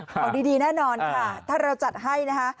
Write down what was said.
ของดีแน่นอนค่ะถ้าเราจัดให้นะคะ